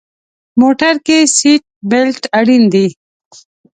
موټر کې سیټ بیلټ اړین دی.